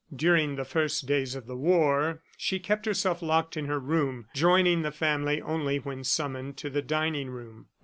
During the first days of the war, she kept herself locked in her room, joining the family only when summoned to the dining room.